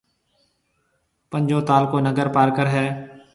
پنجھون تعلقو ننگر پارڪر ھيََََ